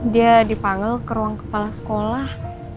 dia dipanggil ke ruang kepala sekolah